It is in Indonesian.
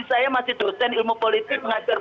saya masih dosen ilmu politik pengajar